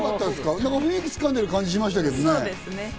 雰囲気掴んでる感じしましたけどね。